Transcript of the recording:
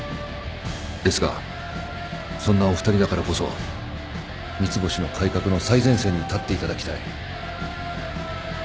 ですがそんなお二人だからこそ三ツ星の改革の最前線に立っていただきたい